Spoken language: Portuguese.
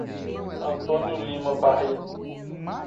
Antônio Lima Barreto